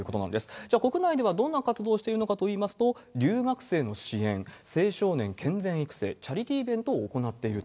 じゃあ、国内ではどんな活動をしているのかといいますと、留学生の支援、青少年健全育成、チャリティーイベントを行っていると。